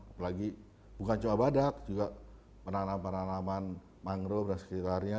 apalagi bukan cuma badak juga penanaman penanaman mangrove dan sekitarnya